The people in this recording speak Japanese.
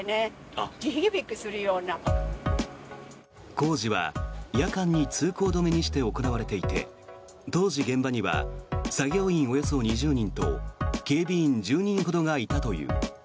工事は夜間に通行止めにして行われていて当時、現場には作業員およそ２０人と警備員１０人ほどがいたという。